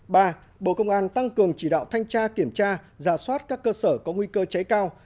ba bộ công an tăng cường chỉ đạo thanh tra kiểm tra giả soát các cơ sở có nguy cơ cháy cao